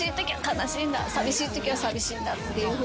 寂しいときは「寂しいんだ」っていうふうに。